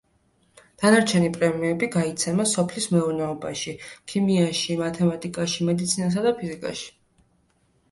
დანარჩენი პრემიები გაიცემა სოფლის მეურნეობაში, ქიმიაში, მათემატიკაში, მედიცინასა და ფიზიკაში.